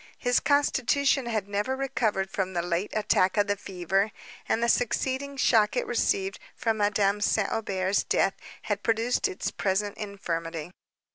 His constitution had never recovered from the late attack of the fever, and the succeeding shock it received from Madame St. Aubert's death had produced its present infirmity.